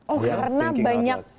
oh karena banyak